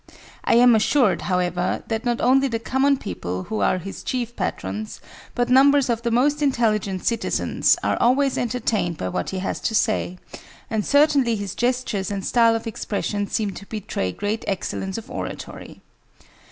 I am assured, however, that not only the common people, who are his chief patrons, but numbers of the most intelligent citizens, are always entertained by what he has to say; and certainly his gestures and style of expressions seem to betray great excellence of oratory.